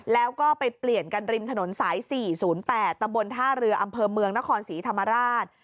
แล้วก็ไปเปลี่ยนกันริมถนนสาย๔๐๘ตำบลท่าเรืออำเภอเมืองนครศรีธรรมราช